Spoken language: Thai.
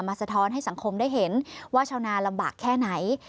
สะท้อนให้สังคมได้เห็นว่าชาวนาลำบากแค่ไหน